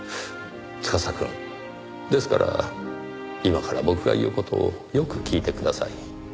司くんですから今から僕が言う事をよく聞いてください。